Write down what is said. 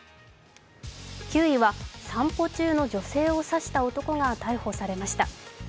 ９位は散歩中の女性を刺した男が逮捕されました。